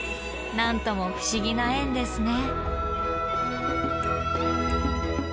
何とも不思議な縁ですね。